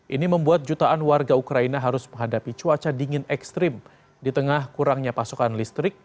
ini membuat jutaan warga ukraina harus menghadapi cuaca dingin ekstrim di tengah kurangnya pasukan listrik